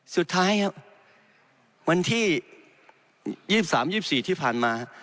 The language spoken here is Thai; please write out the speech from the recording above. สุดท้ายครับวันที่ยี่สิบสามยี่สิบสี่ที่ผ่านมา